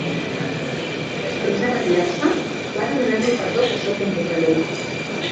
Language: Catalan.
Després de retirar-se, va demanar-li perdó pel seu comportament.